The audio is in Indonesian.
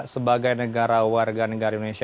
sebagai negara warga negara indonesia